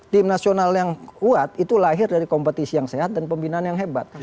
tim nasional yang kuat itu lahir dari kompetisi yang sehat dan pembinaan yang hebat